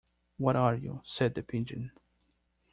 What are you?’ said the Pigeon.